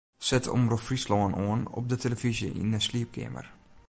Set Omrop Fryslân oan op de tillefyzje yn 'e sliepkeamer.